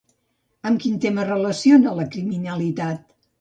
Amb quin tema relaciona la criminalitat?